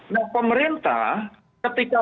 nah pemerintah ketika